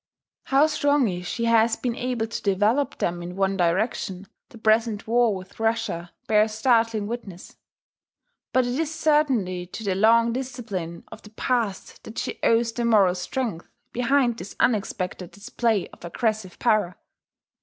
How strongly she has been able to develop them in one direction, the present war with Russia bears startling witness. But it is certainly to the long discipline of the past that she owes the moral strength behind this unexpected display of aggressive power.